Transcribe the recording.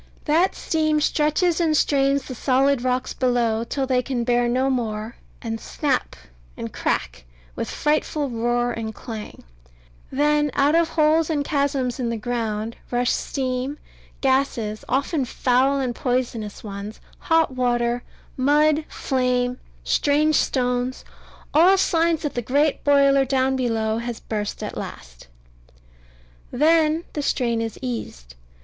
That steam stretches and strains the solid rocks below, till they can bear no more, and snap, and crack, with frightful roar and clang; then out of holes and chasms in the ground rush steam, gases often foul and poisonous ones hot water, mud, flame, strange stones all signs that the great boiler down below has burst at last. Then the strain is eased.